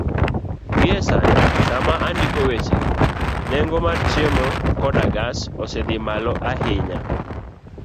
Gie sani, sama andiko wechegi, nengo mar chiemo koda gas osedhi malo ahinya